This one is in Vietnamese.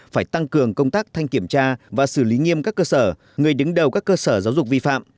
phải tăng cường công tác thanh kiểm tra và xử lý nghiêm các cơ sở người đứng đầu các cơ sở giáo dục vi phạm